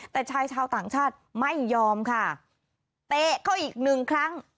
แต่ชายชาวต่างชาติไม่ยอมค่ะเตะเขาอีกหนึ่งครั้ง